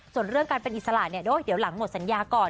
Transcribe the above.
ส่วนเรื่องการเป็นอิสระเนี่ยเดี๋ยวหลังหมดสัญญาก่อน